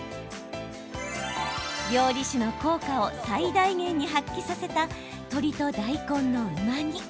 料理酒の効果を最大限に発揮させた鶏と大根のうま煮。